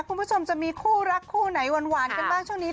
คุณผู้ชมจะมีคู่รักคู่ไหนหวานกันบ้างช่วงนี้